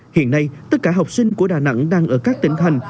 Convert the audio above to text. hiện nay tất cả học sinh của đà nẵng đang ở các tỉnh thành